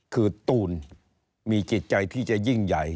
คือตูนมีจิตใจที่จะยิ่งใหญ่